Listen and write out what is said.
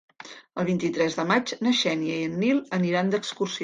El vint-i-tres de maig na Xènia i en Nil aniran d'excursió.